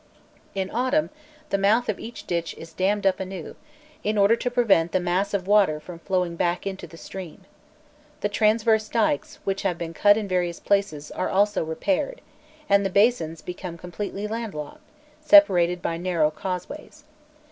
In autumn, the mouth of each ditch is dammed up anew, in order to prevent the mass of water from flowing back into the stream. The transverse dykes, which have been cut in various places, are also repaired, and the basins become completely landlocked, separated by narrow causeways.